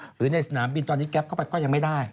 หรือในสนามบินตอนนี้แก๊ปเข้าไปก็ยังไม่ได้